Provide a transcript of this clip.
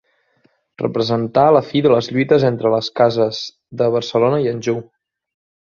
Representà la fi de les lluites entre les cases de Barcelona i Anjou.